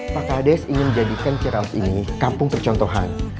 pak ades ingin menjadikan ciraus ini kampung percontohan